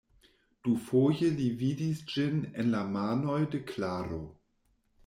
Dufoje li vidis ĝin en la manoj de Klaro.